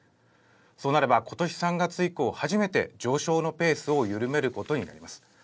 そうなれば今年３月以降、初めて上昇のペースを緩めることになります。